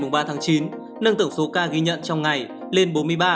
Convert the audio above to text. nâng tưởng số ca ghi nhận trong ngày lên bốn mươi ba